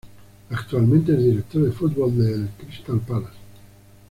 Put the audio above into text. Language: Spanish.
Actualmente es Director de Futbol del Crystal Palace.